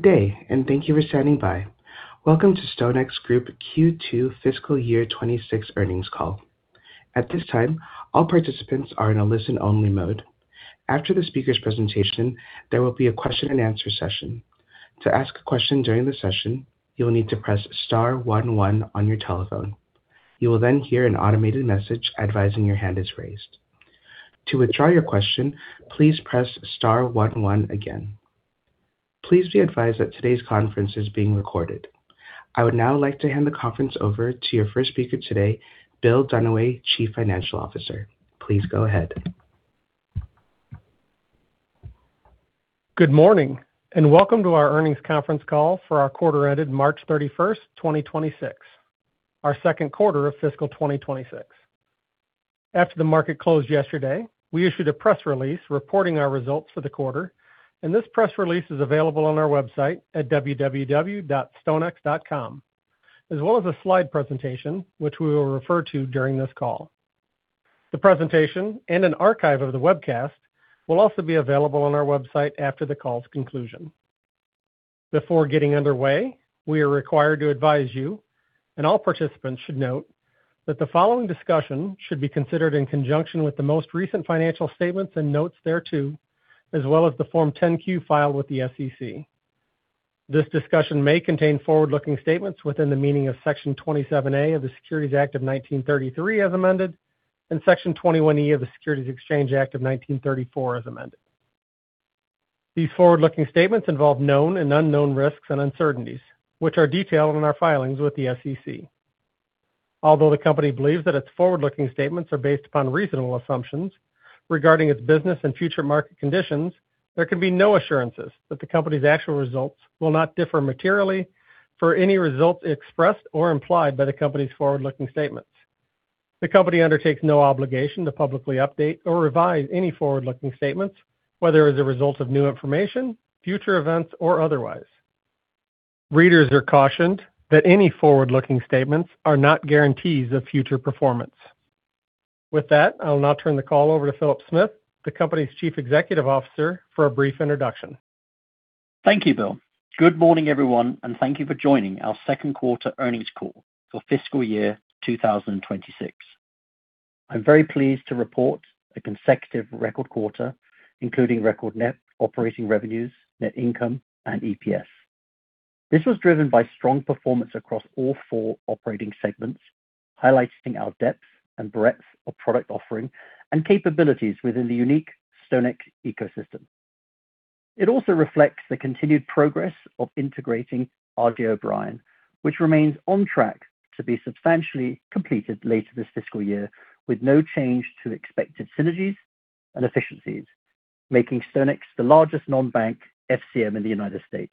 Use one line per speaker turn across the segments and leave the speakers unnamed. Good day. Thank you for standing by. Welcome to StoneX Group Q2 Fiscal Year 2026 earnings call. At this time, all participants are in a listen-only mode. After the speaker's presentation, there will be a question and answer session. To ask a question during the session, you'll need to press star one one on your telephone. You will hear an automated message advising your hand is raised. To withdraw your question, please press star one one again. Please be advised that today's conference is being recorded. I would now like to hand the conference over to your first speaker today, William J. Dunaway, Chief Financial Officer. Please go ahead.
Good morning, and welcome to our earnings conference call for our quarter ended March 31st, 2026, our second quarter of fiscal 2026. After the market closed yesterday, we issued a press release reporting our results for the quarter, and this press release is available on our website at www.stonex.com, as well as a slide presentation, which we will refer to during this call. The presentation and an archive of the webcast will also be available on our website after the call's conclusion. Before getting underway, we are required to advise you, and all participants should note, that the following discussion should be considered in conjunction with the most recent financial statements and notes thereto, as well as the Form 10-Q filed with the SEC. This discussion may contain forward-looking statements within the meaning of Section 27A of the Securities Act of 1933 as amended, and Section 21E of the Securities Exchange Act of 1934 as amended. These forward-looking statements involve known and unknown risks and uncertainties, which are detailed in our filings with the SEC. Although the company believes that its forward-looking statements are based upon reasonable assumptions regarding its business and future market conditions, there can be no assurances that the company's actual results will not differ materially for any results expressed or implied by the company's forward-looking statements. The company undertakes no obligation to publicly update or revise any forward-looking statements, whether as a result of new information, future events, or otherwise. Readers are cautioned that any forward-looking statements are not guarantees of future performance. With that, I'll now turn the call over to Philip Smith, the company's Chief Executive Officer, for a brief introduction.
Thank you, Bill. Good morning, everyone, and thank you for joining our second quarter earnings call for fiscal year 2026. I'm very pleased to report a consecutive record quarter, including record net operating revenues, net income, and EPS. This was driven by strong performance across all four operating segments, highlighting our depth and breadth of product offering and capabilities within the unique StoneX ecosystem. It also reflects the continued progress of integrating R.J. O'Brien, which remains on track to be substantially completed later this fiscal year with no change to expected synergies and efficiencies, making StoneX the largest non-bank FCM in the U.S.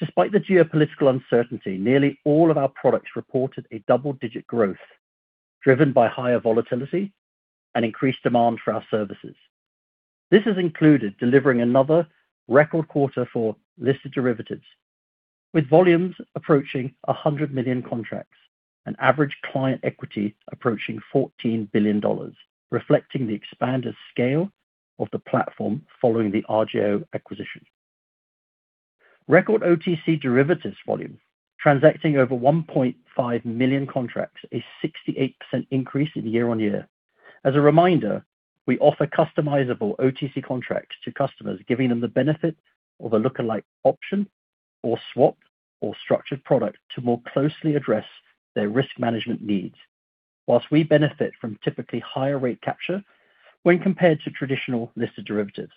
Despite the geopolitical uncertainty, nearly all of our products reported a double-digit growth driven by higher volatility and increased demand for our services. This has included delivering another record quarter for listed derivatives with volumes approaching 100 million contracts and average client equity approaching $14 billion, reflecting the expanded scale of the platform following the RJO acquisition. Record OTC derivatives volumes transacting over 1.5 million contracts, a 68% increase in year-on-year. As a reminder, we offer customizable OTC contracts to customers, giving them the benefit of a lookalike option or swap or structured product to more closely address their risk management needs. Whilst we benefit from typically higher rate capture when compared to traditional listed derivatives.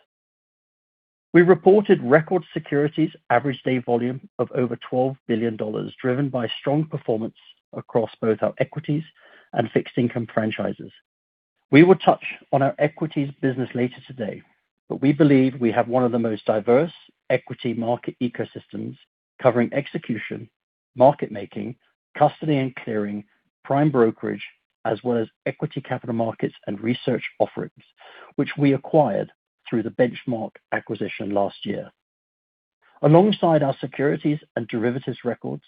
We reported record securities average day volume of over $12 billion, driven by strong performance across both our equities and fixed income franchises. We will touch on our equities business later today. We believe we have one of the most diverse equity market ecosystems covering execution, market making, custody and clearing, prime brokerage, as well as equity capital markets and research offerings, which we acquired through the Benchmark acquisition last year. Alongside our securities and derivatives records,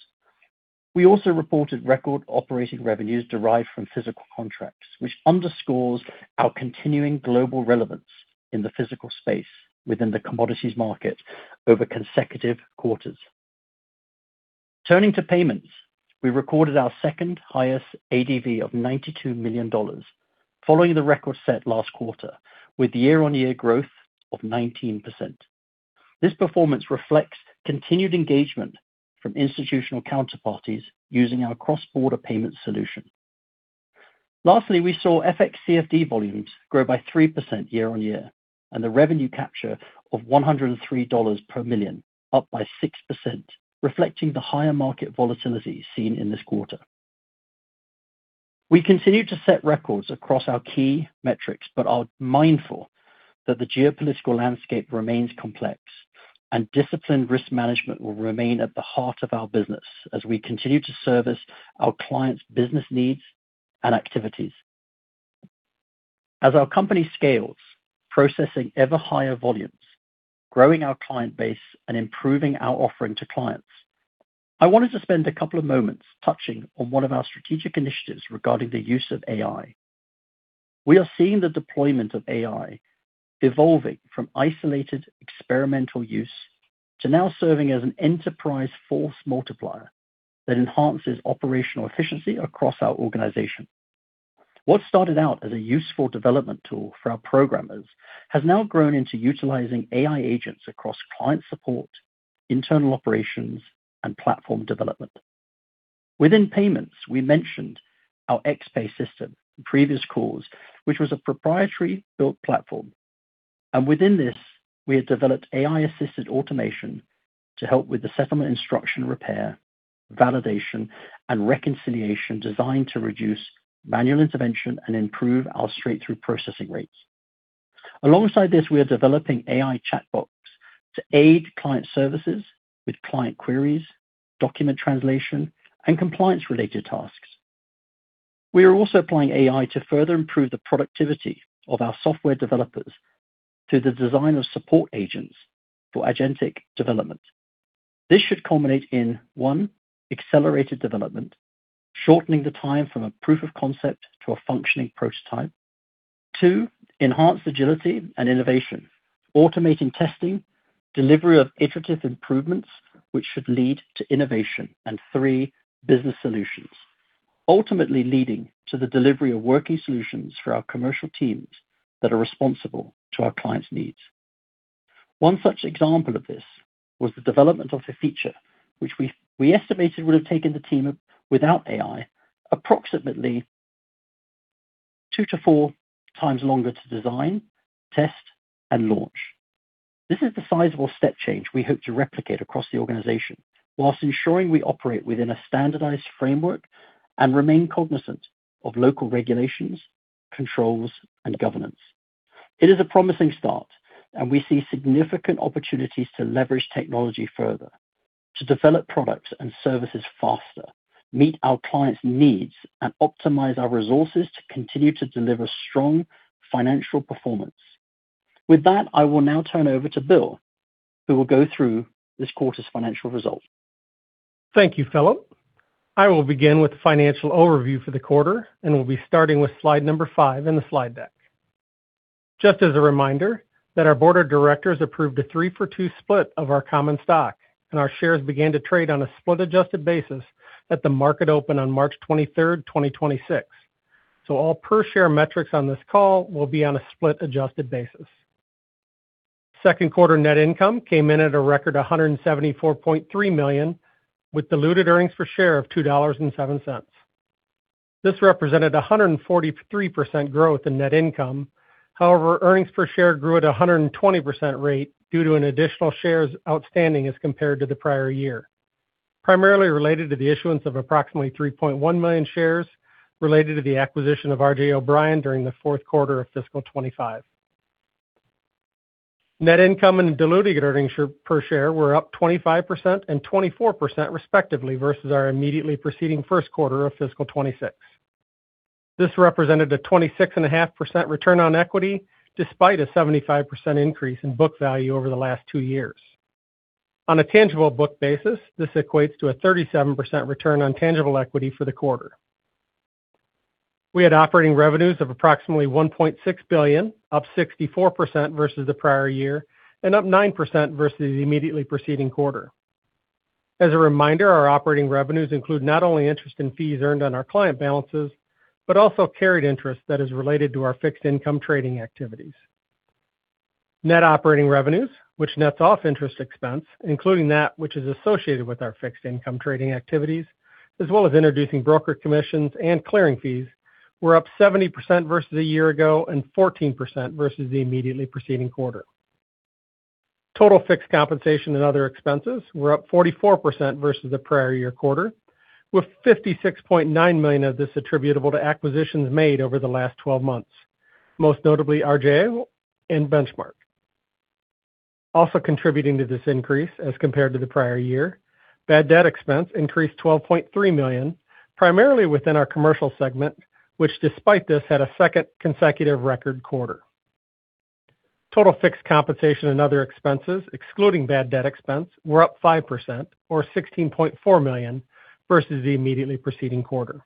we also reported record operating revenues derived from physical contracts, which underscores our continuing global relevance in the physical space within the commodities market over consecutive quarters. Turning to payments, we recorded our second highest ADV of $92 million following the record set last quarter with year-on-year growth of 19%. This performance reflects continued engagement from institutional counterparties using our cross-border payment solution. We saw FX/CFD volumes grow by 3% year-over-year, and the revenue capture of $103 per million up by 6%, reflecting the higher market volatility seen in this quarter. We continue to set records across our key metrics but are mindful that the geopolitical landscape remains complex and disciplined risk management will remain at the heart of our business as we continue to service our clients' business needs and activities. As our company scales, processing ever higher volumes, growing our client base, and improving our offering to clients, I wanted to spend a couple of moments touching on one of our strategic initiatives regarding the use of AI. We are seeing the deployment of AI evolving from isolated experimental use to now serving as an enterprise force multiplier that enhances operational efficiency across our organization. What started out as a useful development tool for our programmers has now grown into utilizing AI agents across client support, internal operations, and platform development. Within payments, we mentioned our XPay system in previous calls, which was a proprietary-built platform. Within this, we have developed AI-assisted automation to help with the settlement instruction repair, validation, and reconciliation designed to reduce manual intervention and improve our straight-through processing rates. Alongside this, we are developing AI chatbots to aid client services with client queries, document translation, and compliance-related tasks. We are also applying AI to further improve the productivity of our software developers through the design of support agents for agentic development. This should culminate in, one, accelerated development, shortening the time from a proof of concept to a functioning prototype. Two, enhanced agility and innovation, automating testing, delivery of iterative improvements, which should lead to innovation. Three, business solutions, ultimately leading to the delivery of working solutions for our commercial teams that are responsible to our clients' needs. One such example of this was the development of a feature which we estimated would have taken the team without AI approximately two to four times longer to design, test, and launch. This is the sizable step change we hope to replicate across the organization whilst ensuring we operate within a standardized framework and remain cognizant of local regulations, controls, and governance. It is a promising start, and we see significant opportunities to leverage technology further to develop products and services faster, meet our clients' needs, and optimize our resources to continue to deliver strong financial performance. With that, I will now turn over to Bill, who will go through this quarter's financial results.
Thank you, Philip. I will begin with the financial overview for the quarter, and we'll be starting with slide number five in the slide deck. Just as a reminder that our Board of Directors approved a three-for-two split of our common stock, and our shares began to trade on a split-adjusted basis at the market open on March 23rd, 2026. All per-share metrics on this call will be on a split-adjusted basis. Second quarter net income came in at a record $174.3 million, with diluted earnings per share of $2.07. This represented 143% growth in net income. However, earnings per share grew at a 120% rate due to an additional shares outstanding as compared to the prior year, primarily related to the issuance of approximately 3.1 million shares related to the acquisition of R.J. O'Brien during the fourth quarter of fiscal 2025. Net income and diluted earnings per share were up 25% and 24% respectively versus our immediately preceding first quarter of fiscal 2026. This represented a 26.5% return on equity, despite a 75% increase in book value over the last two years. On a tangible book basis, this equates to a 37% return on tangible equity for the quarter. We had operating revenues of approximately $1.6 billion, up 64% versus the prior year and up 9% versus the immediately preceding quarter. As a reminder, our operating revenues include not only interest and fees earned on our client balances, but also carried interest that is related to our fixed income trading activities. Net operating revenues, which nets off interest expense, including that which is associated with our fixed income trading activities, as well as introducing broker commissions and clearing fees, were up 70% versus a year ago and 14% versus the immediately preceding quarter. Total fixed compensation and other expenses were up 44% versus the prior year quarter, with $56.9 million of this attributable to acquisitions made over the last 12 months, most notably RJO and Benchmark. Also contributing to this increase as compared to the prior year, bad debt expense increased $12.3 million, primarily within our commercial segment, which despite this, had a second consecutive record quarter. Total fixed compensation and other expenses, excluding bad debt expense, were up 5% or $16.4 million versus the immediately preceding quarter.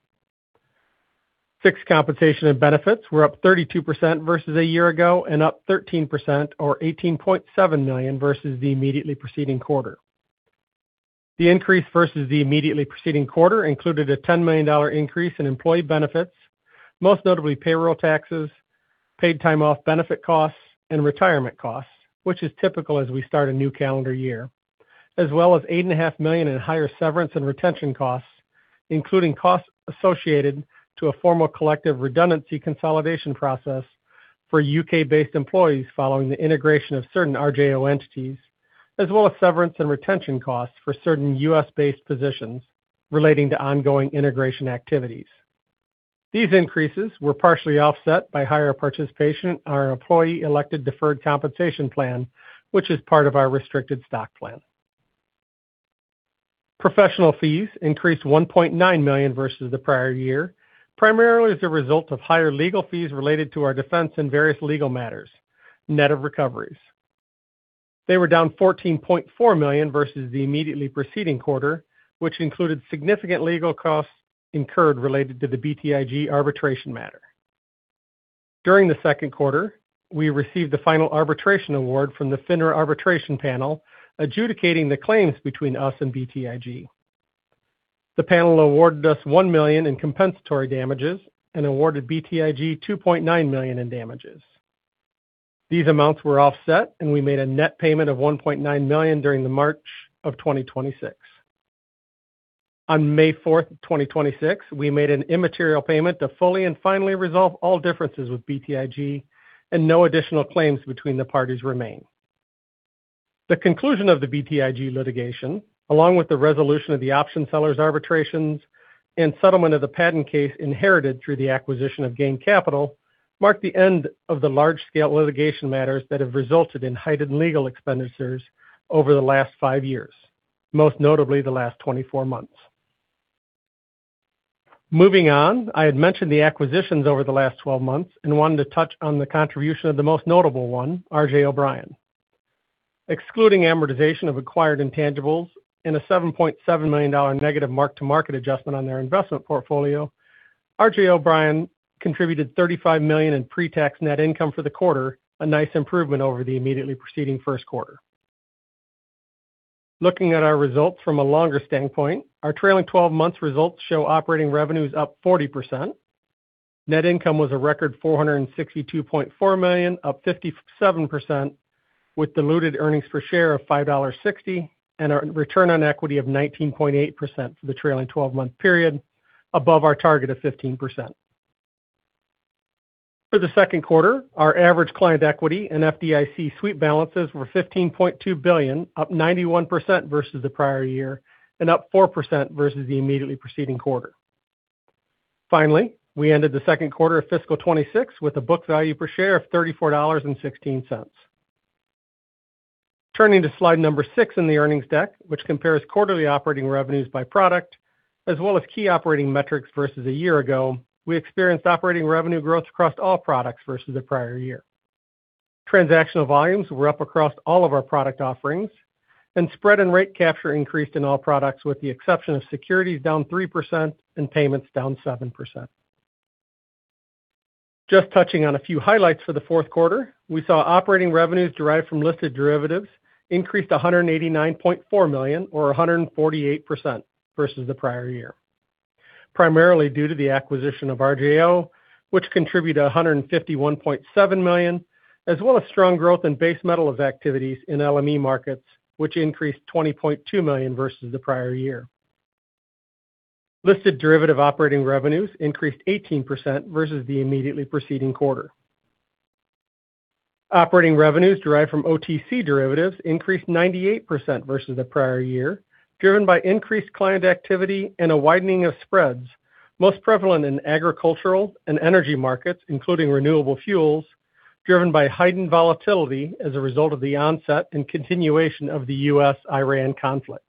Fixed compensation and benefits were up 32% versus a year ago and up 13% or $18.7 million versus the immediately preceding quarter. The increase versus the immediately preceding quarter included a $10 million increase in employee benefits, most notably payroll taxes, paid time off benefit costs, and retirement costs, which is typical as we start a new calendar year. As well as $8.5 million in higher severance and retention costs, including costs associated to a formal collective redundancy consolidation process for U.K.-based employees following the integration of certain RJO entities, as well as severance and retention costs for certain U.S.-based positions relating to ongoing integration activities. These increases were partially offset by higher participation in our employee-elected deferred compensation plan, which is part of our restricted stock plan. Professional fees increased $1.9 million versus the prior year, primarily as a result of higher legal fees related to our defense in various legal matters, net of recoveries. They were down $14.4 million versus the immediately preceding quarter, which included significant legal costs incurred related to the BTIG arbitration matter. During the second quarter, we received the final arbitration award from the FINRA Arbitration Panel adjudicating the claims between us and BTIG. The panel awarded us $1 million in compensatory damages and awarded BTIG $2.9 million in damages. These amounts were offset, and we made a net payment of $1.9 million during the March of 2026. On May 4, 2026, we made an immaterial payment to fully and finally resolve all differences with BTIG and no additional claims between the parties remain. The conclusion of the BTIG litigation, along with the resolution of the OptionSellers arbitrations and settlement of the patent case inherited through the acquisition of GAIN Capital, marked the end of the large-scale litigation matters that have resulted in heightened legal expenditures over the last five years, most notably the last 24 months. Moving on. I had mentioned the acquisitions over the last 12 months and wanted to touch on the contribution of the most notable one, R.J. O'Brien. Excluding amortization of acquired intangibles and a $7.7 million negative mark-to-market adjustment on their investment portfolio, R.J. O'Brien contributed $35 million in pre-tax net income for the quarter, a nice improvement over the immediately preceding first quarter. Looking at our results from a longer standpoint, our trailing 12 months results show operating revenues up 40%. Net income was a record $462.4 million, up 57% with diluted earnings per share of $5.60 and a return on equity of 19.8% for the trailing 12-month period above our target of 15%. For the second quarter, our average client equity and FDIC sweep balances were $15.2 billion, up 91% versus the prior year and up 4% versus the immediately preceding quarter. Finally, we ended the second quarter of fiscal 2026 with a book value per share of $34.16. Turning to slide number six in the earnings deck, which compares quarterly operating revenues by product as well as key operating metrics versus a year ago, we experienced operating revenue growth across all products versus the prior year. Transactional volumes were up across all of our product offerings and spread and rate capture increased in all products, with the exception of securities down 3% and payments down 7%. Just touching on a few highlights for the fourth quarter. We saw operating revenues derived from listed derivatives increased $189.4 million or 148% versus the prior year, primarily due to the acquisition of RJO, which contributed $151.7 million, as well as strong growth in base metals activities in LME markets, which increased $20.2 million versus the prior year. Listed derivative operating revenues increased 18% versus the immediately preceding quarter. Operating revenues derived from OTC derivatives increased 98% versus the prior year, driven by increased client activity and a widening of spreads, most prevalent in agricultural and energy markets, including renewable fuels, driven by heightened volatility as a result of the onset and continuation of the U.S.-Iran conflict.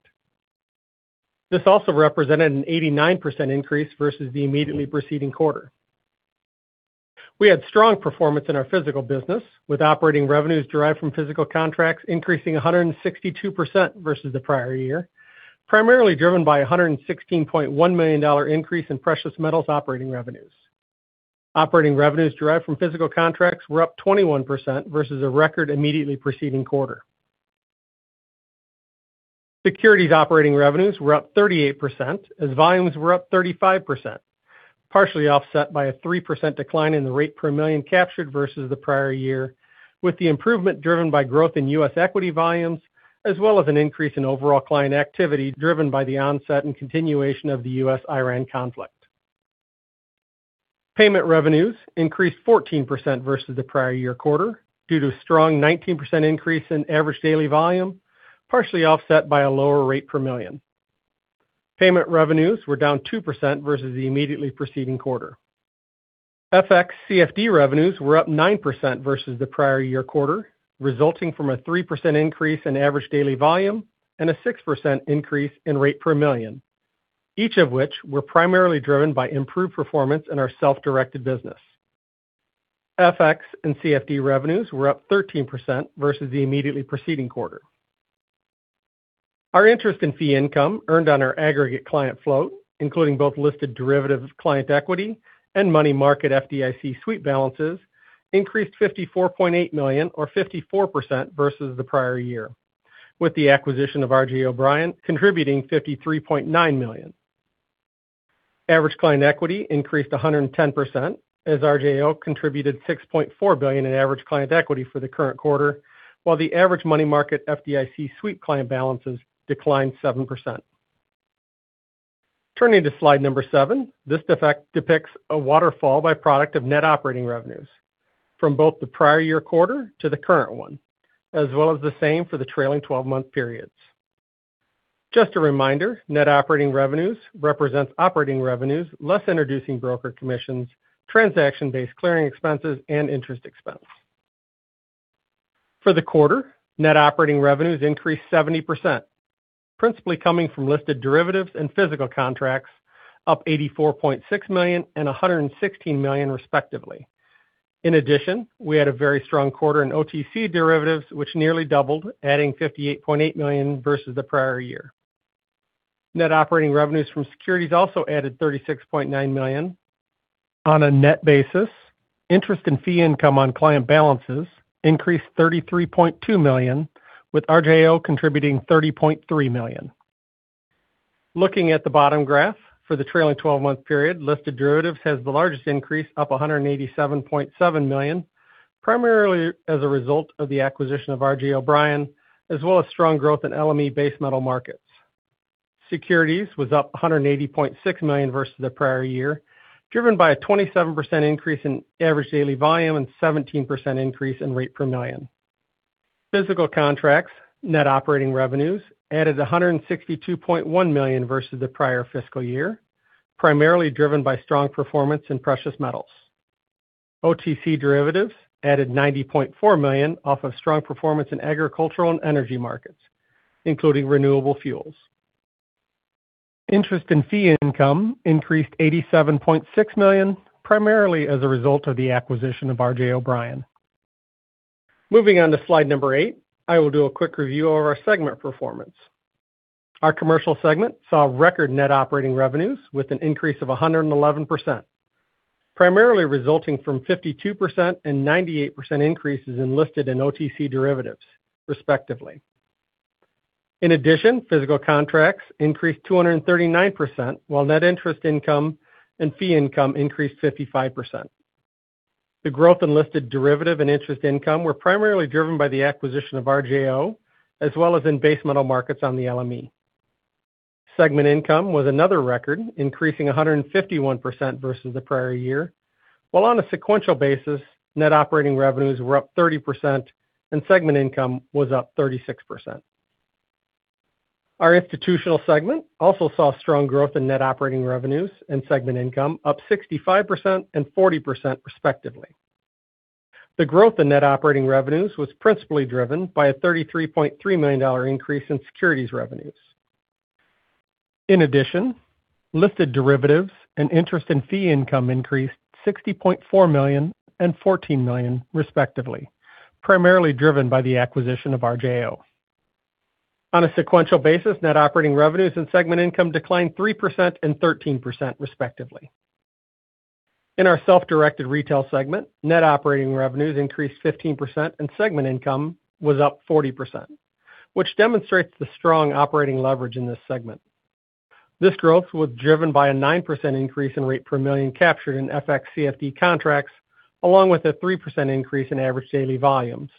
This also represented an 89% increase versus the immediately preceding quarter. We had strong performance in our physical business, with operating revenues derived from physical contracts increasing 162% versus the prior year, primarily driven by a $116.1 million increase in precious metals operating revenues. Operating revenues derived from physical contracts were up 21% versus a record immediately preceding quarter. Securities operating revenues were up 38% as volumes were up 35%, partially offset by a 3% decline in the rate per million captured versus the prior year, with the improvement driven by growth in U.S. equity volumes, as well as an increase in overall client activity driven by the onset and continuation of the US-Iran conflict. Payment revenues increased 14% versus the prior year quarter due to a strong 19% increase in average daily volume, partially offset by a lower rate per million. Payment revenues were down 2% versus the immediately preceding quarter. FX/CFD revenues were up 9% versus the prior year quarter, resulting from a 3% increase in average daily volume and a 6% increase in rate per million, each of which were primarily driven by improved performance in our self-directed business. FX and CFD revenues were up 13% versus the immediately preceding quarter. Our interest and fee income earned on our aggregate client float, including both listed derivative client equity and money market FDIC sweep balances increased $54.8 million or 54% versus the prior year, with the acquisition of R.J. O'Brien contributing $53.9 million. Average client equity increased 110% as RJO contributed $6.4 billion in average client equity for the current quarter, while the average money market FDIC sweep client balances declined 7%. Turning to slide number seven. This effect depicts a waterfall by product of net operating revenues from both the prior year quarter to the current one, as well as the same for the trailing 12-month periods. Just a reminder, net operating revenues represents operating revenues, less introducing broker commissions, transaction-based clearing expenses and interest expense. For the quarter, net operating revenues increased 70%. Principally coming from listed derivatives and physical contracts up $84.6 million and $116 million respectively. In addition, we had a very strong quarter in OTC derivatives, which nearly doubled, adding $58.8 million versus the prior year. Net operating revenues from securities also added $36.9 million. On a net basis, interest and fee income on client balances increased $33.2 million, with RJO contributing $30.3 million. Looking at the bottom graph for the trailing 12-month period, listed derivatives has the largest increase, up $187.7 million, primarily as a result of the acquisition of R.J. O'Brien, as well as strong growth in LME base metal markets. Securities was up $180.6 million versus the prior year, driven by a 27% increase in average daily volume and 17% increase in rate per million. Physical contracts, net operating revenues added $162.1 million versus the prior fiscal year, primarily driven by strong performance in precious metals. OTC derivatives added $90.4 million off of strong performance in agricultural and energy markets, including renewable fuels. Interest and fee income increased $87.6 million, primarily as a result of the acquisition of R.J. O'Brien. Moving on to slide number eight, I will do a quick review of our segment performance. Our commercial segment saw record net operating revenues with an increase of 111%, primarily resulting from 52% and 98% increases in listed and OTC derivatives, respectively. In addition, physical contracts increased 239%, while net interest income and fee income increased 55%. The growth in listed derivative and interest income were primarily driven by the acquisition of RJO, as well as in base metal markets on the LME. Segment income was another record, increasing 151% versus the prior year, while on a sequential basis, net operating revenues were up 30% and segment income was up 36%. Our institutional segment also saw strong growth in net operating revenues and segment income, up 65% and 40% respectively. The growth in net operating revenues was principally driven by a $33.3 million increase in securities revenues. In addition, listed derivatives and interest and fee income increased $60.4 million and $14 million, respectively, primarily driven by the acquisition of RJO. On a sequential basis, net operating revenues and segment income declined 3% and 13%, respectively. In our self-directed retail segment, net operating revenues increased 15% and segment income was up 40%, which demonstrates the strong operating leverage in this segment. This growth was driven by a 9% increase in rate per million captured in FX/CFD contracts, along with a 3% increase in average daily volumes.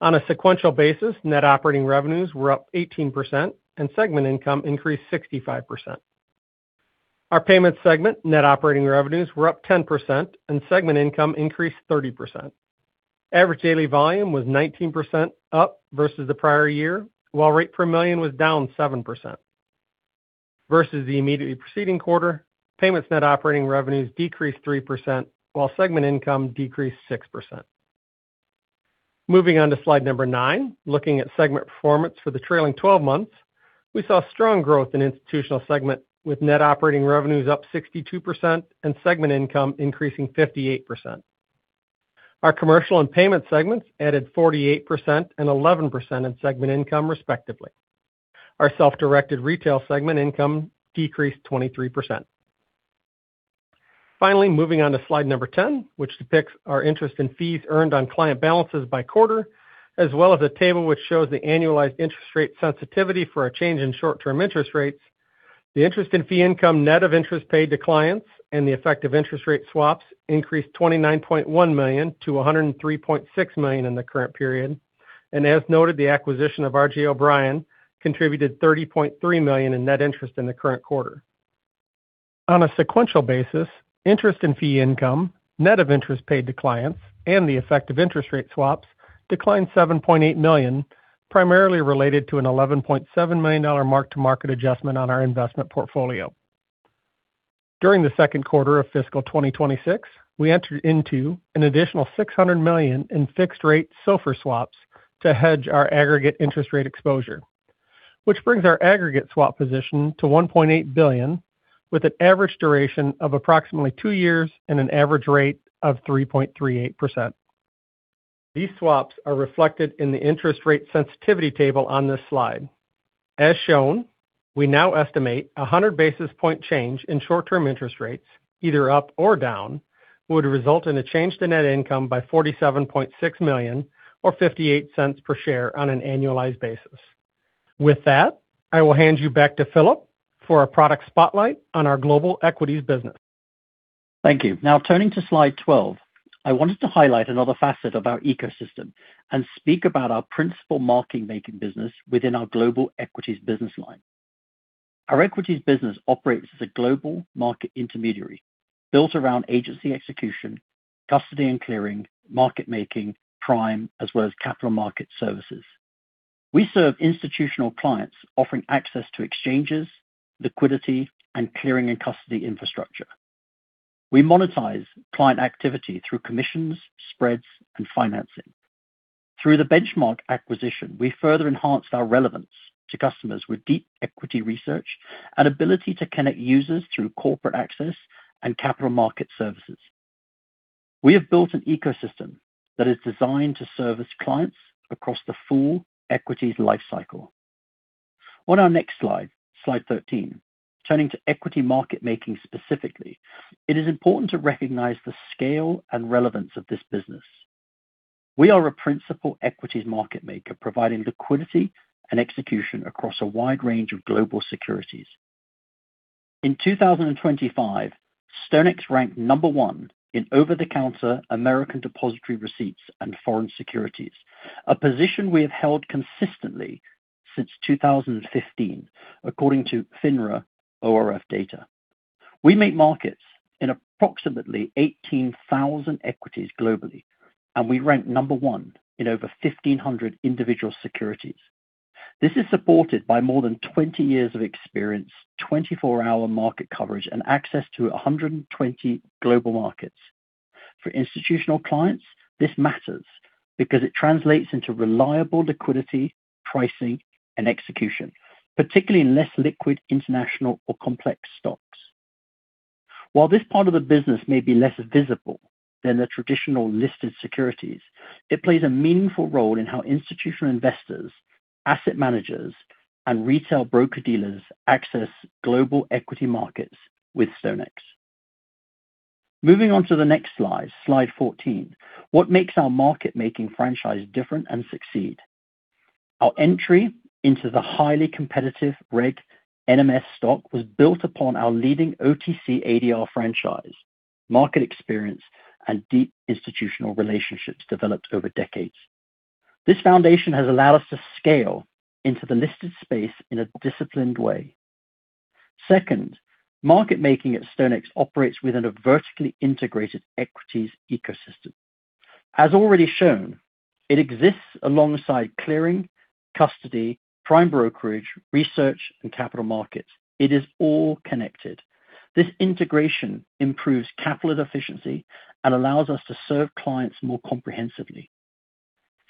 On a sequential basis, net operating revenues were up 18% and segment income increased 65%. Our payments segment net operating revenues were up 10% and segment income increased 30%. Average daily volume was 19% up versus the prior year, while rate per million was down 7%. Versus the immediately preceding quarter, payments net operating revenues decreased 3% while segment income decreased 6%. Moving on to slide number nine, looking at segment performance for the trailing 12 months, we saw strong growth in institutional segment with net operating revenues up 62% and segment income increasing 58%. Our commercial and payment segments added 48% and 11% in segment income, respectively. Our self-directed retail segment income decreased 23%. Finally, moving on to slide number 10, which depicts our interest and fees earned on client balances by quarter, as well as a table which shows the annualized interest rate sensitivity for a change in short-term interest rates. The interest in fee income net of interest paid to clients and the effect of interest rate swaps increased $29.1 million to $103.6 million in the current period. As noted, the acquisition of R.J. O'Brien contributed $30.3 million in net interest in the current quarter. On a sequential basis, interest and fee income, net of interest paid to clients and the effect of interest rate swaps declined $7.8 million, primarily related to an $11.7 million mark to market adjustment on our investment portfolio. During the second quarter of fiscal 2026, we entered into an additional $600 million in fixed-rate SOFR swaps to hedge our aggregate interest rate exposure, which brings our aggregate swap position to $1.8 billion, with an average duration of approximately two years and an average rate of 3.38%. These swaps are reflected in the interest rate sensitivity table on this slide. As shown, we now estimate a 100 basis point change in short-term interest rates, either up or down, would result in a change to net income by $47.6 million or $0.58 per share on an annualized basis. With that, I will hand you back to Philip for a product spotlight on our global equities business.
Thank you. Turning to slide 12, I wanted to highlight another facet of our ecosystem and speak about our principal market-making business within our global equities business line. Our equities business operates as a global market intermediary built around agency execution, custody and clearing, market making, prime, as well as capital market services. We serve institutional clients offering access to exchanges, liquidity, and clearing and custody infrastructure. We monetize client activity through commissions, spreads, and financing. Through the Benchmark acquisition, we further enhanced our relevance to customers with deep equity research and ability to connect users through corporate access and capital market services. We have built an ecosystem that is designed to service clients across the full equities lifecycle. Our next slide 13, turning to equity market making specifically, it is important to recognize the scale and relevance of this business. We are a principal equities market maker providing liquidity and execution across a wide range of global securities. In 2025, StoneX ranked number one in over-the-counter American Depositary Receipts and foreign securities, a position we have held consistently since 2015, according to FINRA ORF data. We make markets in approximately 18,000 equities globally, and we rank number one in over 1,500 individual securities. This is supported by more than 20 years of experience, 24-hour market coverage, and access to 120 global markets. For institutional clients, this matters because it translates into reliable liquidity, pricing, and execution, particularly in less liquid international or complex stocks. While this part of the business may be less visible than the traditional listed securities, it plays a meaningful role in how institutional investors, asset managers, and retail broker-dealers access global equity markets with StoneX. Moving on to the next slide 14. What makes our market making franchise different and succeed? Our entry into the highly competitive Regulation NMS was built upon our leading OTC ADR franchise, market experience, and deep institutional relationships developed over decades. This foundation has allowed us to scale into the listed space in a disciplined way. Second, market making at StoneX operates within a vertically integrated equities ecosystem. As already shown, it exists alongside clearing, custody, prime brokerage, research, and capital markets. It is all connected. This integration improves capital efficiency and allows us to serve clients more comprehensively.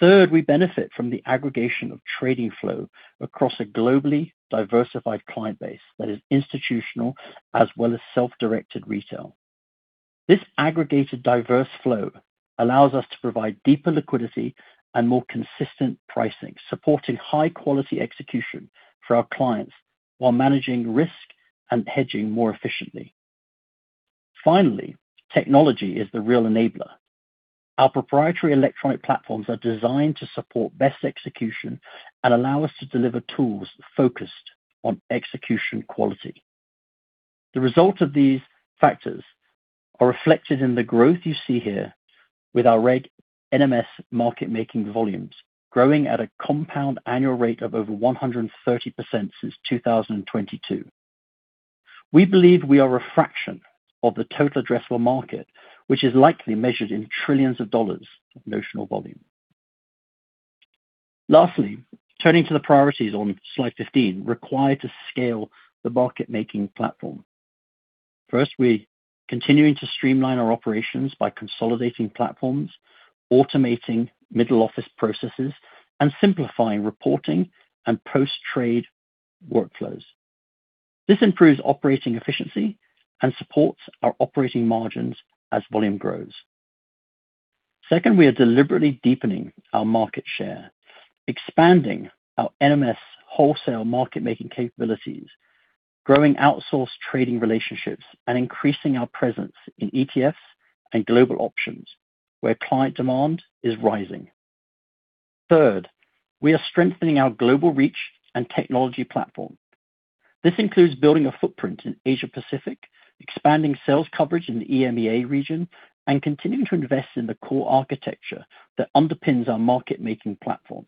Third, we benefit from the aggregation of trading flow across a globally diversified client base that is institutional as well as self-directed retail. This aggregated diverse flow allows us to provide deeper liquidity and more consistent pricing, supporting high quality execution for our clients while managing risk and hedging more efficiently. Finally, technology is the real enabler. Our proprietary electronic platforms are designed to support best execution and allow us to deliver tools focused on execution quality. The result of these factors are reflected in the growth you see here with our Regulation NMS market-making volumes growing at a compound annual rate of over 130% since 2022. We believe we are a fraction of the total addressable market, which is likely measured in $ trillions of notional volume. Lastly, turning to the priorities on slide 15 required to scale the market-making platform. First, we're continuing to streamline our operations by consolidating platforms, automating middle office processes, and simplifying reporting and post-trade workflows. This improves operating efficiency and supports our operating margins as volume grows. Second, we are deliberately deepening our market share, expanding our NMS wholesale market-making capabilities, growing outsourced trading relationships, and increasing our presence in ETFs and global options where client demand is rising. Third, we are strengthening our global reach and technology platform. This includes building a footprint in Asia-Pacific, expanding sales coverage in the EMEA region, and continuing to invest in the core architecture that underpins our market-making platform.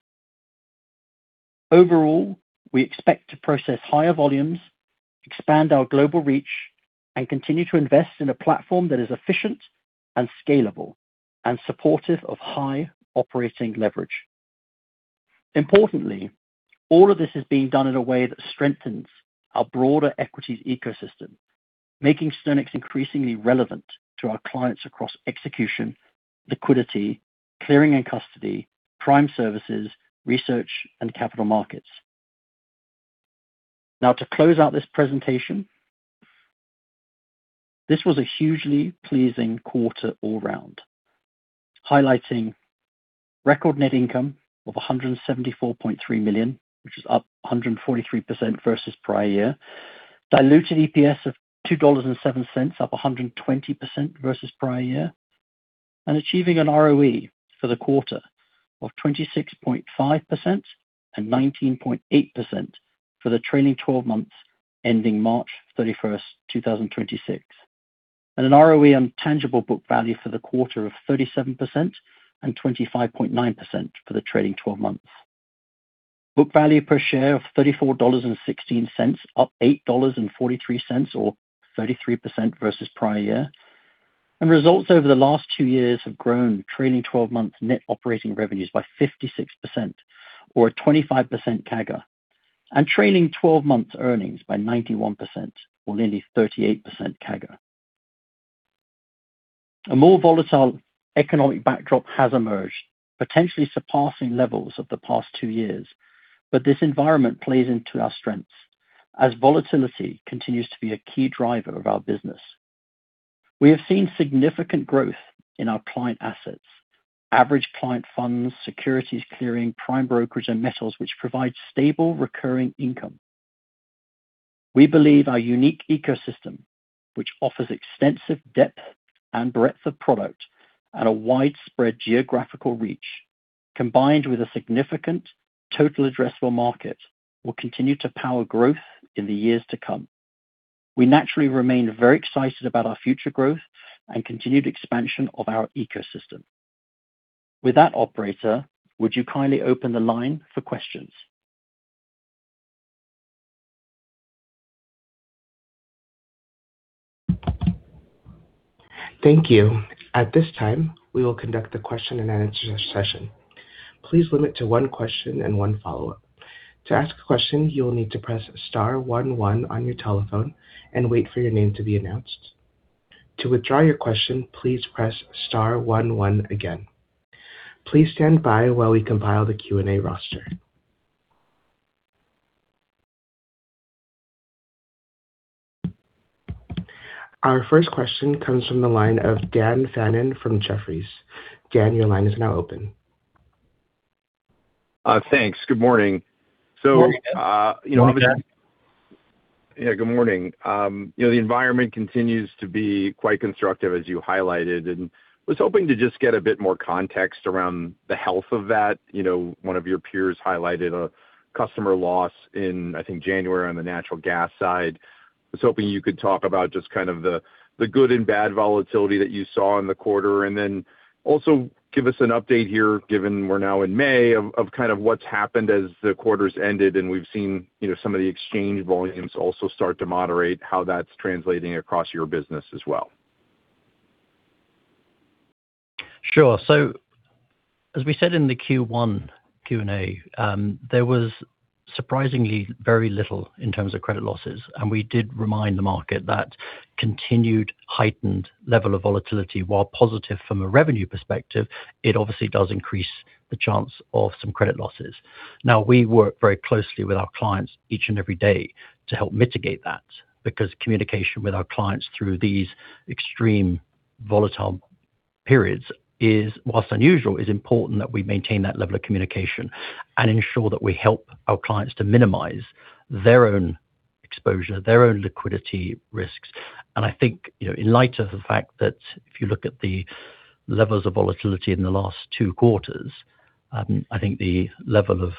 Overall, we expect to process higher volumes, expand our global reach, and continue to invest in a platform that is efficient and scalable and supportive of high operating leverage. Importantly, all of this is being done in a way that strengthens our broader equities ecosystem, making StoneX increasingly relevant to our clients across execution, liquidity, clearing and custody, prime services, research, and capital markets. Now to close out this presentation, this was a hugely pleasing quarter all round, highlighting record net income of $174.3 million, which is up 143% versus prior year. Diluted EPS of $2.07, up 120% versus prior year. Achieving an ROE for the quarter of 26.5% and 19.8% for the trailing 12 months ending March 31st, 2026. An ROE on tangible book value for the quarter of 37% and 25.9% for the trailing 12 months. Book value per share of $34.16, up $8.43 or 33% versus prior year. Results over the last two years have grown trailing 12 months net operating revenues by 56% or a 25% CAGR. Trailing 12 months earnings by 91% or nearly 38% CAGR. A more volatile economic backdrop has emerged, potentially surpassing levels of the past two years, but this environment plays into our strengths as volatility continues to be a key driver of our business. We have seen significant growth in our client assets, average client funds, securities clearing, prime brokerage and metals, which provide stable recurring income. We believe our unique ecosystem, which offers extensive depth and breadth of product at a widespread geographical reach, combined with a significant total addressable market, will continue to power growth in the years to come. We naturally remain very excited about our future growth and continued expansion of our ecosystem. With that, operator, would you kindly open the line for questions?
Thank you. At this time, we will conduct the question and answer session. Please limit to one question and one follow-up. To ask a question, you will need to press star 11 on your telephone and wait for your name to be announced. To withdraw your question, please press star, one one again. Please stand by while we compile the Q&A roster. Our first question comes from the line of Daniel Fannon from Jefferies. Dan, your line is now open.
Thanks. Good morning.
Good morning.
You know.
Go on, Daniel.
Yeah, good morning. The environment continues to be quite constructive, as you highlighted. Was hoping to just get a bit more context around the health of that. You know, one of your peers highlighted a customer loss in, I think, January on the natural gas side. I was hoping you could talk about just kind of the good and bad volatility that you saw in the quarter. Then also give us an update here, given we're now in May, of kind of what's happened as the quarters ended and we've seen, some of the exchange volumes also start to moderate, how that's translating across your business as well.
Sure. As we said in the Q1 Q&A, there was surprisingly very little in terms of credit losses. We did remind the market that continued heightened level of volatility, while positive from a revenue perspective, it obviously does increase the chance of some credit losses. Now, we work very closely with our clients each and every day to help mitigate that, because communication with our clients through these extreme volatile periods is, whilst unusual, is important that we maintain that level of communication and ensure that we help our clients to minimize their own exposure, their own liquidity risks. I think, in light of the fact that if you look at the levels of volatility in the last two quarters, I think the level of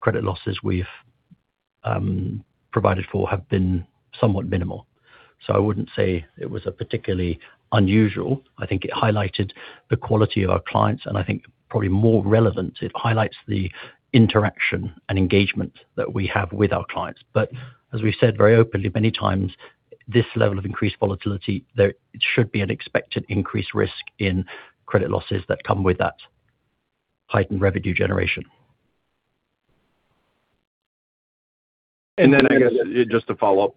credit losses we've provided for have been somewhat minimal. I wouldn't say it was a particularly unusual. I think it highlighted the quality of our clients, and I think probably more relevant, it highlights the interaction and engagement that we have with our clients. As we've said very openly many times, this level of increased volatility, there should be an expected increased risk in credit losses that come with that heightened revenue generation.
Just to follow up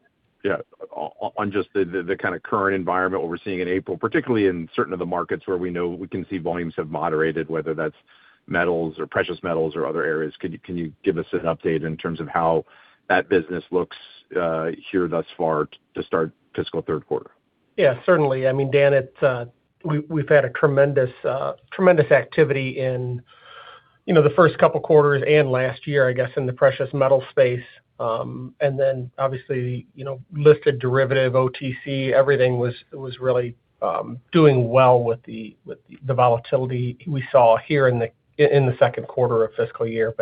on just the kind of current environment we're seeing in April, particularly in certain of the markets where we know we can see volumes have moderated, whether that's metals or precious metals or other areas. Can you give us an update in terms of how that business looks here thus far to start fiscal third quarter?
Certainly. I mean, Dan, it's, we've had tremendous activity in, the first couple quarters and last year in the precious metal space. Obviously, listed derivative OTC, everything was really doing well with the volatility we saw here in the second quarter of fiscal year.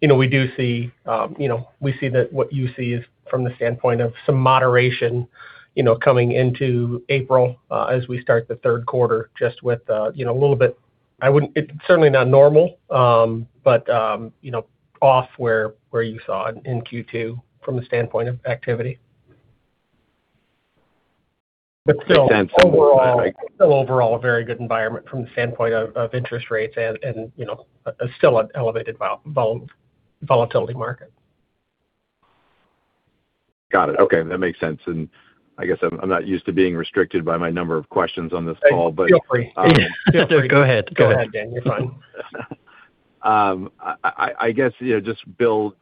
We do see, you know, we see that what you see is from the standpoint of some moderation, coming into April, as we start the third quarter, just with, a little bit, it's certainly not normal, but off where you saw it in Q2 from the standpoint of activity.
Makes sense.
still overall-
One more time.
Still overall a very good environment from the standpoint of interest rates and, still an elevated volatility market.
Got it. Okay, that makes sense. I guess I'm not used to being restricted by my number of questions on this call.
Feel free.
Go ahead.
Go ahead, Dan. You're fine.
Bill,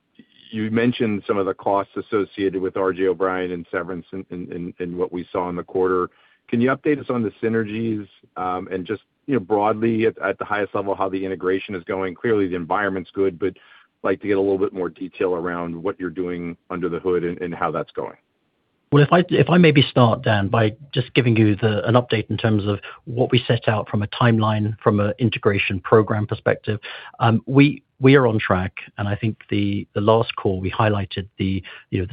you mentioned some of the costs associated with R.J. O'Brien and severance and what we saw in the quarter. Can you update us on the synergies, and just, broadly at the highest level, how the integration is going? Clearly, the environment's good, but like to get a little bit more detail around what you're doing under the hood and how that's going.
Well, if I maybe start, Dan, by just giving you an update in terms of what we set out from a timeline, from an integration program perspective. We are on track, and I think the last call we highlighted the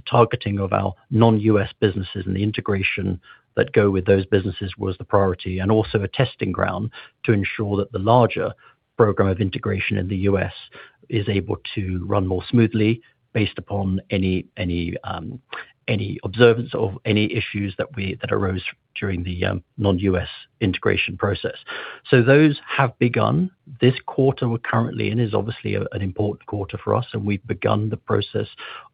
targeting of our non-U.S. businesses and the integration that go with those businesses was the priority, and also a testing ground to ensure that the larger program of integration in the U.S. is able to run more smoothly based upon any observance of any issues that arose during the non-U.S. integration process. Those have begun. This quarter we're currently in is obviously an important quarter for us, and we've begun the process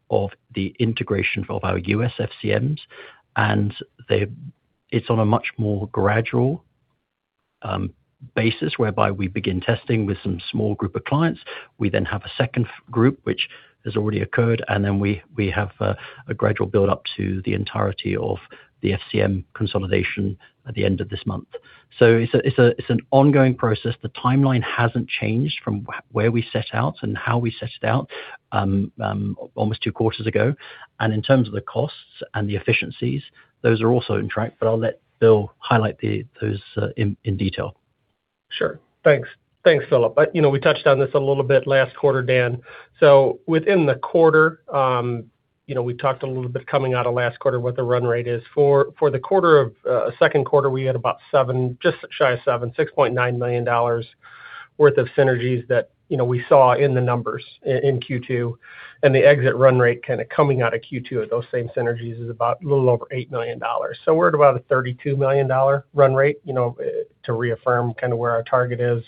of the integration of our U.S. FCMs. It's on a much more gradual basis, whereby we begin testing with some small group of clients. We then have a second group which has already occurred, then we have a gradual build-up to the entirety of the FCM consolidation at the end of this month. It's an ongoing process. The timeline hasn't changed from where we set out and how we set it out almost two quarters ago. In terms of the costs and the efficiencies, those are also on track. I'll let Bill highlight the, those in detail.
Sure. Thanks. Thanks, Philip. You know, we touched on this a little bit last quarter, Dan. Within the quarter, we talked a little bit coming out of last quarter what the run rate is. For the quarter of second quarter, we had about $6.9 million worth of synergies that, we saw in the numbers in Q2. The exit run rate kind of coming out of Q2 at those same synergies is about a little over $8 million. We're at about a $32 million run rate, to reaffirm kind of where our target is.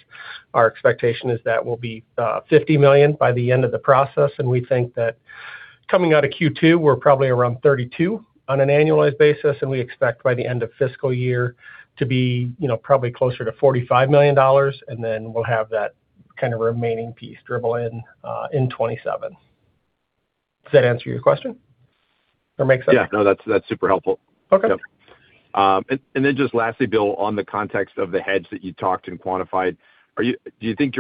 Our expectation is that we'll be $50 million by the end of the process. We think that coming out of Q2, we're probably around 32 on an annualized basis, and we expect by the end of fiscal year to be, probably closer to $45 million, and then we'll have that kind of remaining piece dribble in in 2027. Does that answer your question or make sense?
Yeah. No, that's super helpful.
Okay.
Yep. Then just lastly, Bill, on the context of the hedge that you talked and quantified, do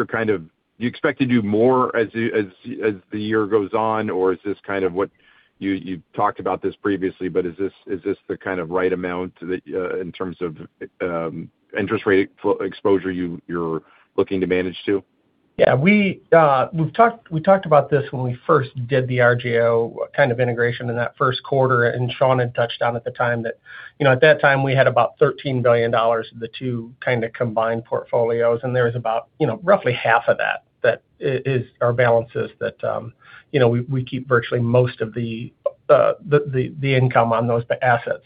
you expect to do more as the year goes on, or is this kind of what you've talked about this previously, but is this, is this the kind of right amount that, in terms of, interest rate exposure you're looking to manage to?
We've talked about this when we first did the RJO kind of integration in that first quarter, and Sean had touched on at the time that, at that time, we had about $13 billion of the two kind of combined portfolios, and there was about, roughly half of that is our balances that, we keep virtually most of the income on those assets.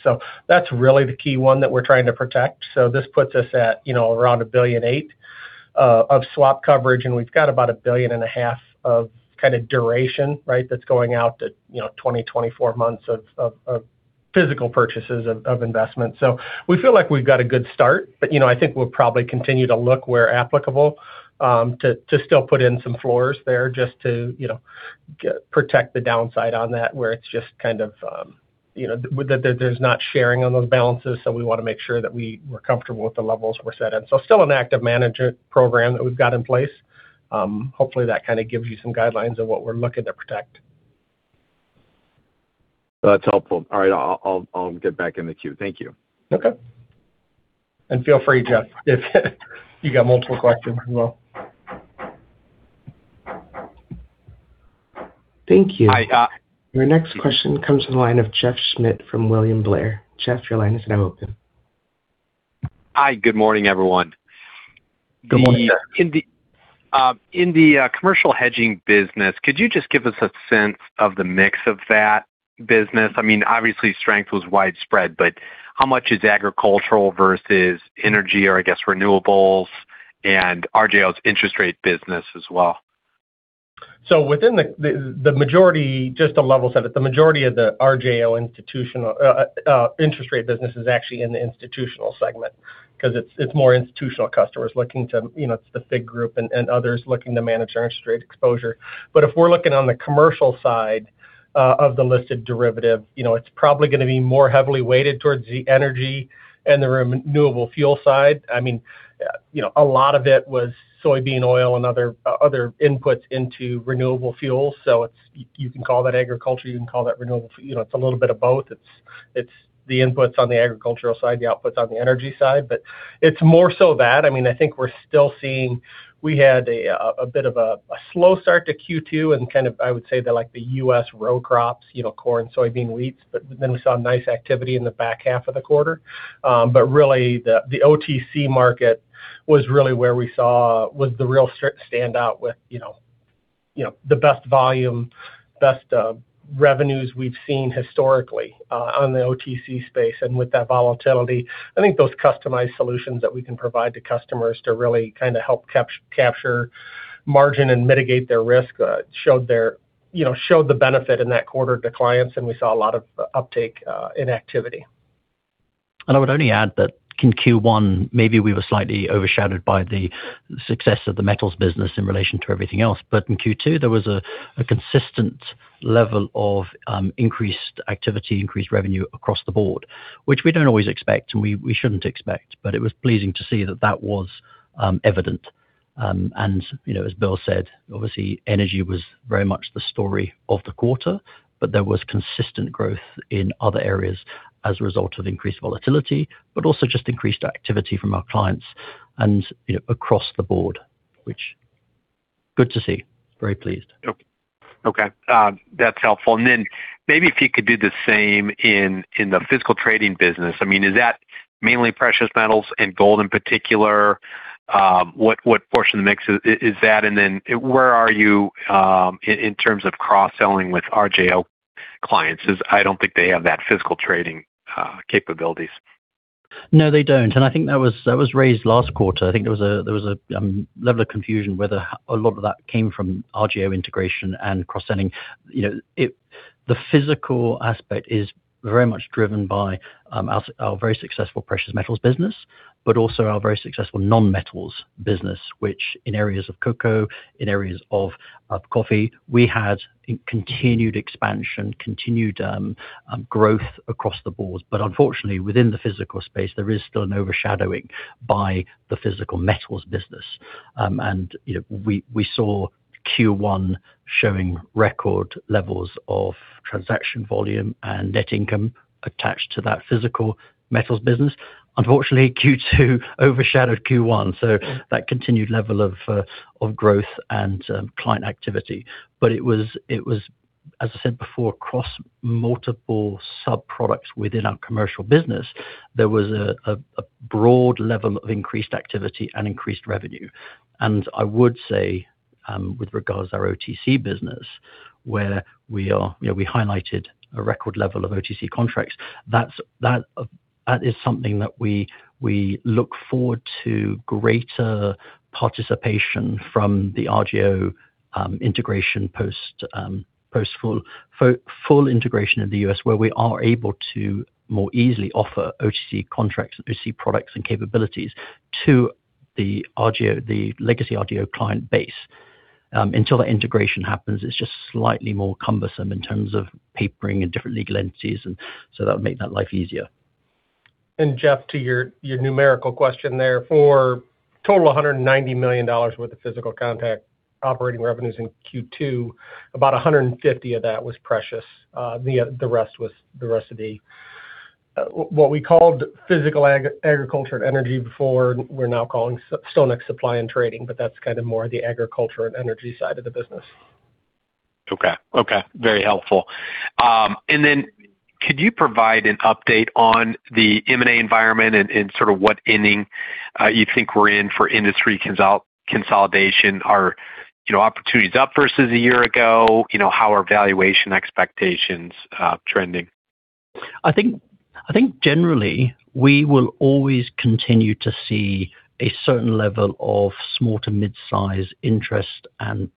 That's really the key one that we're trying to protect. This puts us at, you know, around $1.8 billion of swap coverage, and we've got about a billion and a half of kind of duration, right? That's going out to, you know, 20-24 months of physical purchases of investments. We feel like we've got a good start. We'll probably continue to look where applicable, to still put in some floors there just to protect the downside on that, where it's just kind of, you know, there's not sharing on those balances, so we wanna make sure that we're comfortable with the levels we're set in. Still an active management program that we've got in place. Hopefully, that kind of gives you some guidelines of what we're looking to protect.
That's helpful. All right, I'll get back in the queue. Thank you.
Okay. Feel free, Jeff, if you got multiple questions as well.
Thank you. Your next question comes from the line of Jeff Schmitt from William Blair. Jeff, your line is now open.
Hi. Good morning, everyone.
Good morning.
In the commercial hedging business, could you just give us a sense of the mix of that business? I mean, obviously, strength was widespread, but how much is agricultural versus energy or, I guess, renewables and RJO's interest rate business as well?
Within the majority, just to level set it, the majority of the RJO institutional interest rate business is actually in the institutional segment 'cause it's more institutional customers looking to, you know, it's the FIG Group and others looking to manage their interest rate exposure. If we're looking on the commercial side of the listed derivative, it's probably gonna be more heavily weighted towards the energy and the renewable fuel side. A lot of it was soybean oil and other inputs into renewable fuel. You can call that agriculture, you can call that renewable, you know, it's a little bit of both. It's the inputs on the agricultural side, the outputs on the energy side. It's more so that. We're still seeing We had a bit of a slow start to Q2 and kind of, I would say that like the U.S. row crops, corn, soybean, wheat. We saw nice activity in the back half of the quarter. Really the OTC market was really where we saw was the real standout with the best volume, best revenues we've seen historically on the OTC space. With that volatility, I think those customized solutions that we can provide to customers to really kind of help capture margin and mitigate their risk showed the benefit in that quarter to clients, and we saw a lot of uptake in activity.
I would only add that in Q1, maybe we were slightly overshadowed by the success of the metals business in relation to everything else. In Q2, there was a consistent level of increased activity, increased revenue across the board, which we don't always expect, and we shouldn't expect, but it was pleasing to see that that was evident. You know, as Bill said, obviously, energy was very much the story of the quarter, but there was consistent growth in other areas as a result of increased volatility, but also just increased activity from our clients and, across the board, which good to see. Very pleased.
Okay. That's helpful. Maybe if you could do the same in the physical trading business? I mean, Mainly precious metals and gold in particular. What portion of the mix is that? Where are you in terms of cross-selling with RJO clients? I don't think they have that physical trading capabilities.
No, they don't. I think that was, that was raised last quarter. I think there was a level of confusion whether a lot of that came from RJO integration and cross-selling. You know, the physical aspect is very much driven by our very successful precious metals business, but also our very successful non-metals business, which in areas of cocoa, in areas of coffee, we had a continued expansion, continued growth across the board. Unfortunately, within the physical space, there is still an overshadowing by the physical metals business. We saw Q1 showing record levels of transaction volume and net income attached to that physical metals business. Unfortunately, Q2 overshadowed Q1, so that continued level of growth and client activity. It was, as I said before, across multiple sub-products within our commercial business, there was a broad level of increased activity and increased revenue. I would say, with regards our OTC business, where we highlighted a record level of OTC contracts. That is something that we look forward to greater participation from the RJO integration post full integration in the U.S., where we are able to more easily offer OTC contracts, OTC products and capabilities to the RJO, the legacy RJO client base. Until that integration happens, it's just slightly more cumbersome in terms of papering and different legal entities and so that would make that life easier.
Jeff, to your numerical question there. For total $190 million worth of physical commodity operating revenues in Q2, about 150 of that was precious. The rest was the rest of the what we called physical agriculture and energy before, we're now calling StoneX Supply and Trading, but that's kind of more the agriculture and energy side of the business.
Okay. Okay. Very helpful. Could you provide an update on the M&A environment and sort of what inning you think we're in for industry consolidation? Are opportunities up versus a year ago? You know, how are valuation expectations trending?
Generally, we will always continue to see a certain level of small to mid-size interest and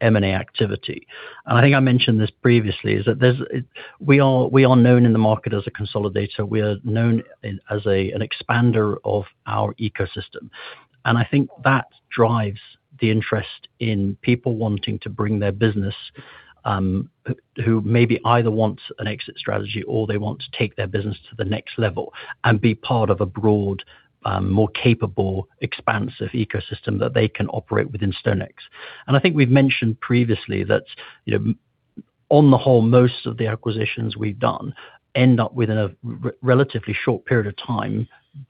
M&A activity. I think I mentioned this previously, is that we are known in the market as a consolidator. We are known as an expander of our ecosystem. I think that drives the interest in people wanting to bring their business, who maybe either wants an exit strategy or they want to take their business to the next level and be part of a broad, more capable, expansive ecosystem that they can operate within StoneX. I think we've mentioned previously that, you know, on the whole, most of the acquisitions we've done end up within a relatively short period of time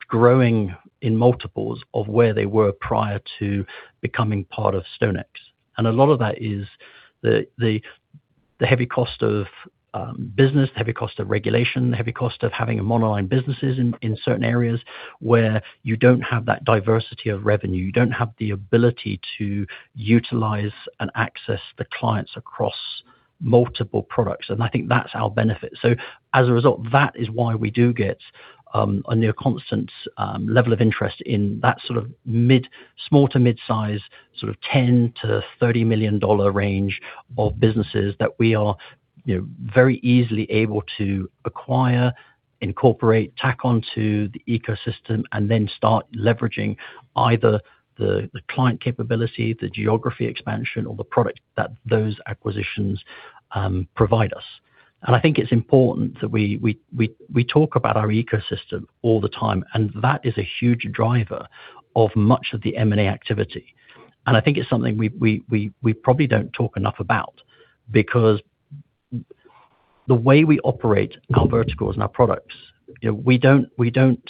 growing in multiples of where they were prior to becoming part of StoneX. A lot of that is the, the heavy cost of business, the heavy cost of regulation, the heavy cost of having a monoline businesses in certain areas where you don't have that diversity of revenue, you don't have the ability to utilize and access the clients across multiple products. I think that's our benefit. As a result, that is why we do get a near constant level of interest in that sort of small to mid-size, sort of $10 million-$30 million range of businesses that we are very easily able to acquire, incorporate, tack on to the ecosystem, and then start leveraging either the client capability, the geography expansion, or the product that those acquisitions provide us. I think it's important that we talk about our ecosystem all the time, and that is a huge driver of much of the M&A activity. I think it's something we probably don't talk enough about because the way we operate our verticals and our products, you know, we don't, we don't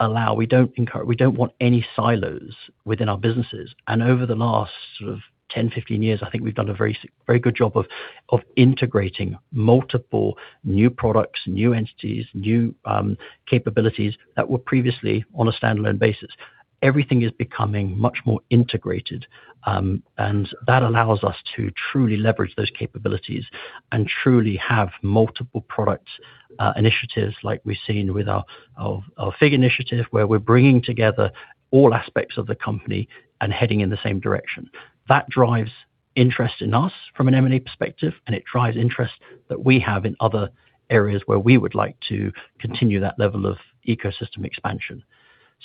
allow, we don't encourage, we don't want any silos within our businesses. Over the last sort of 10, 15 years, I think we've done a very good job of integrating multiple new products, new entities, new capabilities that were previously on a standalone basis. Everything is becoming much more integrated, and that allows us to truly leverage those capabilities and truly have multiple product initiatives like we've seen with our FIG initiative, where we're bringing together all aspects of the company and heading in the same direction. That drives interest in us from an M&A perspective, and it drives interest that we have in other areas where we would like to continue that level of ecosystem expansion.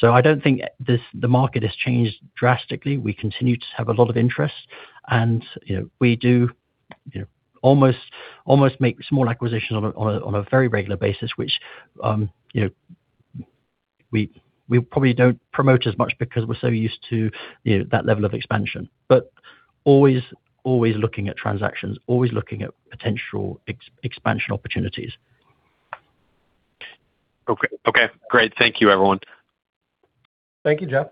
I don't think the market has changed drastically. We continue to have a lot of interest and we do almost make small acquisitions on a very regular basis, which, we probably don't promote as much because we're so used to, that level of expansion, but always looking at transactions, always looking at potential expansion opportunities.
Okay. Okay, great. Thank you, everyone.
Thank you, Jeff.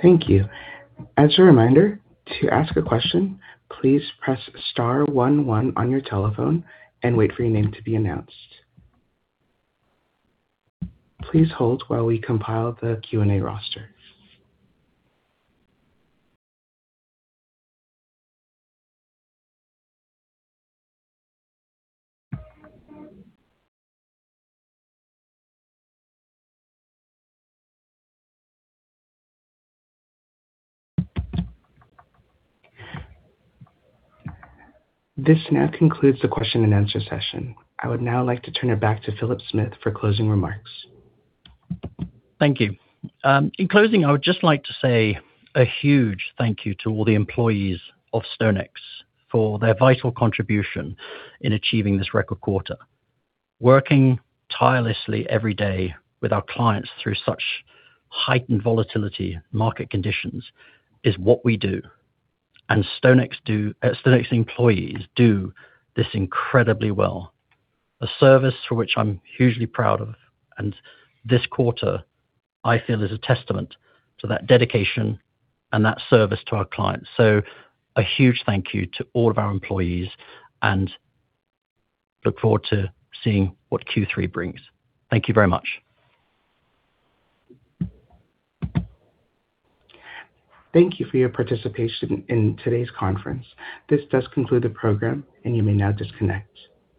Thank you. As a reminder, to ask a question, please press star one one on your telephone and wait for your name to be announced. Please hold as we compile our Question and answer roster. This now concludes the question and answer session. I would now like to turn it back to Philip Smith for closing remarks.
Thank you. I would just like to say a huge thank you to all the employees of StoneX for their vital contribution in achieving this record quarter. Working tirelessly every day with our clients through such heightened volatility market conditions is what we do. StoneX employees do this incredibly well. A service for which I'm hugely proud of, this quarter, I feel is a testament to that dedication and that service to our clients. A huge thank you to all of our employees and look forward to seeing what Q3 brings. Thank you very much.
Thank you for your participation in today's conference. This does conclude the program, and you may now disconnect.